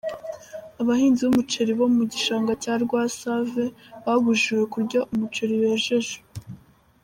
Abahinzi b’umuceri bo mu gishanga cya Rwasave babujijwe kurya umuceri bejeje